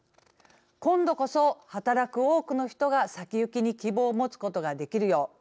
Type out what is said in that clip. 今度こそ働く多くの人が先行きに希望を持つことができるよう。